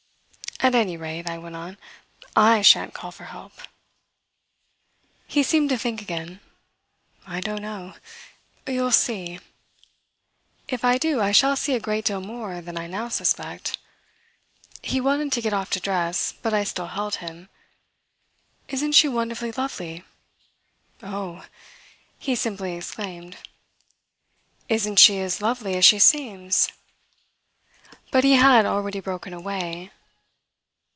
At any rate," I went on, "I sha'n't call for help." He seemed to think again. "I don't know. You'll see." "If I do I shall see a great deal more than I now suspect." He wanted to get off to dress, but I still held him. "Isn't she wonderfully lovely?" "Oh!" he simply exclaimed. "Isn't she as lovely as she seems?" But he had already broken away.